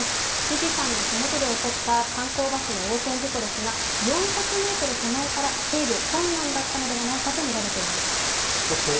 富士山の麓で起こった観光バスの横転事故ですが、４００ｍ手前から制御困難だったのではないかとみられています。